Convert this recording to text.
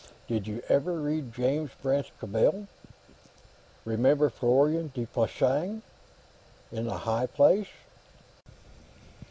"Did you ever read James Branch Cabell? Remember Florian de Puysange, in 'The High Place'?"